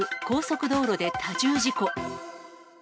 高速道路で多重事故。